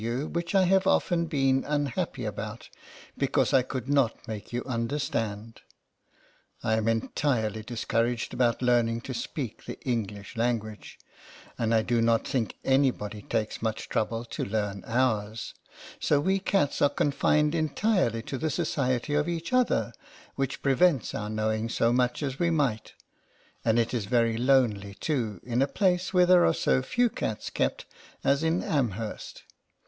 you which I have often been un happy about because I could not make you understand. I am en tirely discouraged about learning to speak the English language, and I do not think anybody takes much trouble to learn ours; so we cats are confined entirely to the society of each other, which prevents our knowing so much as we might ; and it is very lonely too, in a place where there are so few cats kept as in Amherst.